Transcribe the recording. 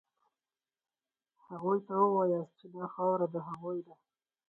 هغوی ته ووایاست چې دا خاوره د هغوی ده.